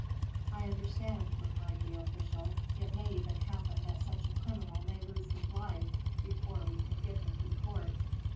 "I understand," replied the official. "It may even happen that such a criminal may lose his life before we can give him to the court."